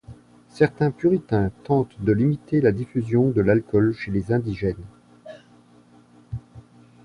Certains puritains tentent de limiter la diffusion de l'alcool chez les indigènes.